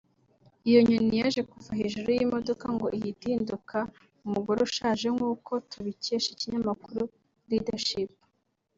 Iyo nyoni yaje kuva hejuru y’imodoka ngo ihita ihinduka umugore ushaje nk’uko tubikesha ikinyamakuru Leadership